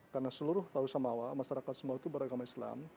karena seluruh tahu samawah masyarakat sumbawa itu beragama islam